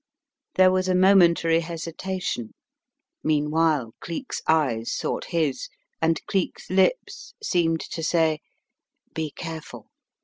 There was a momentary hesitation; meanwhile, Cleek's eyes sought his and Cleek's lips seemed to say: "Be careful.